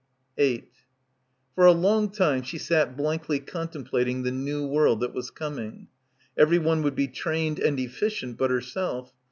8 For a long time she sat blankly contemplating the new world that was coming. Everyone would be trained and efficient but herself.